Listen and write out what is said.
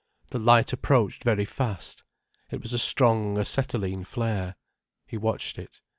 The light approached very fast. It was a strong acetylene flare. He watched it.